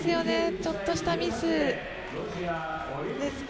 ちょっとしたミスですか。